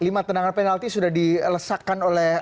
lima tenangan penalti sudah dielesakkan oleh